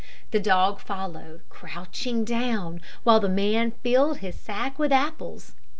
The dog followed, crouching down while the man filled his sack with apples.